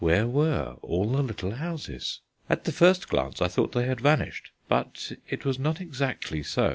Where were all the little houses? At the first glance I thought they had vanished, but it was not exactly so.